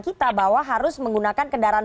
kita bahwa harus menggunakan kendaraan